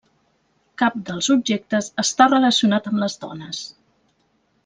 Cap dels objectes està relacionat amb les dones.